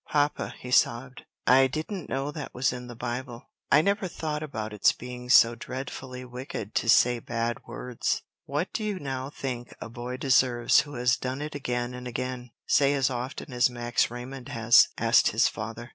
"Papa," he sobbed, "I didn't know that was in the Bible. I never thought about its being so dreadfully wicked to say bad words." "What do you now think a boy deserves who has done it again and again? say as often as Max Raymond has?" asked his father.